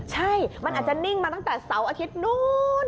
ใช่มันอาจจะนิ่งมาตั้งแต่เสาร์อาทิตย์นู้น